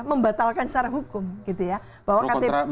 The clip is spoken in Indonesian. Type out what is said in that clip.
membatalkan secara hukum gitu ya